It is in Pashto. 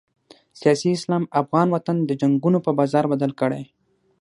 سیاسي اسلام افغان وطن د جنګونو په بازار بدل کړی.